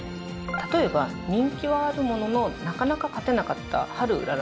例えば、人気はあるもののなかなか勝てなかったハルウララ。